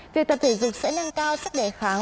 việc tập thể dục sẽ nâng cao sức đề kháng